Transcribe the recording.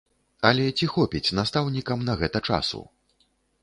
Але ці хопіць настаўнікам на гэта часу?